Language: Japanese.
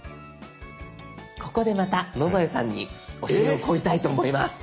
ここでまた野添さんに教えを請いたいと思います。